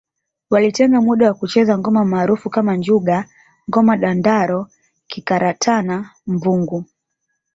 Walitenga muda wa kucheza ngoma maarufu kama njuga ngoma dandaro kikaratana mvungu